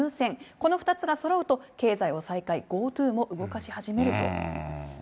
この２つがそろうと経済を再開、ＧｏＴｏも動かし始めると言っています。